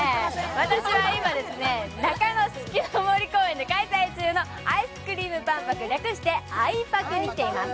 私は今、中野四季の森公園で開催中のアイスクリーム万博、略してあいぱくに来ています。